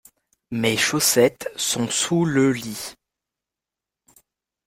Mes chaussettes sont sous le lit.